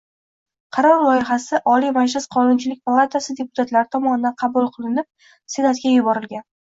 Qaror loyihasi Oliy Majlis Qonunchilik palatasi deputatlari tomonidan qabul qilinib, Senatga yuborilgan